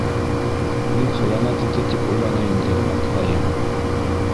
Мин хыянат итте тип уйланы инде атҡайым...